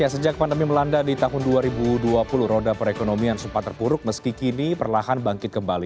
sejak pandemi melanda di tahun dua ribu dua puluh roda perekonomian sempat terpuruk meski kini perlahan bangkit kembali